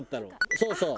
そうそう。